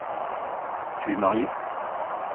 Tu es marié ?